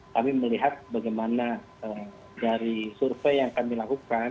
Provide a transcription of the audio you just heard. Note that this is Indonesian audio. kami melihat bagaimana dari survei yang kami lakukan